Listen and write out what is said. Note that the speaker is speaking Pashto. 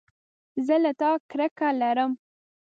زه له تا کرکه لرم